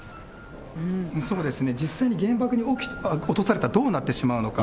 そうですね、実際に原爆落とされたらどうなってしまうのか。